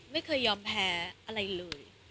ไม่ยอมแพ้อะไรเลย